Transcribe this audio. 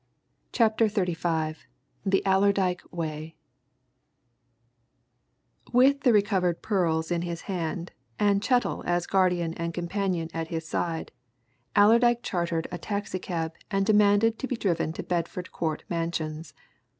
CHAPTER XXXV THE ALLERDYKE WAY With the recovered pearls in his hand, and Chettle as guardian and companion at his side, Allerdyke chartered a taxi cab and demanded to be driven to Bedford Court Mansions.